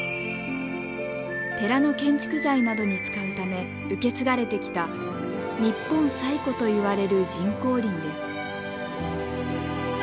寺の建築材などに使うため受け継がれてきた日本最古といわれる人工林です。